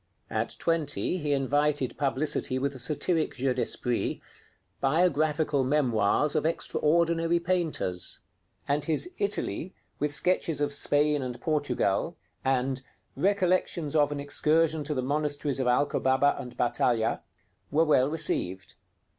At twenty he invited publicity with a satiric jeu d'esprit, 'Biographical Memoirs of Extraordinary Painters'; and his 'Italy, with Sketches of Spain and Portugal,' and 'Recollections of an Excursion to the Monasteries of Alcobaba and Baltalha,' were well received.